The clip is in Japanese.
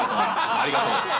ありがとう。